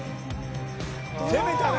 攻めたね！